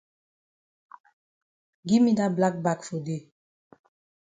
Gi me dat black bag for dey.